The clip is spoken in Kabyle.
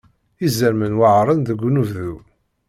Izerman weɛren deg unebdu.